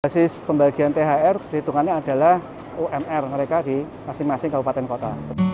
basis pembagian thr perhitungannya adalah umr mereka di masing masing kabupaten kota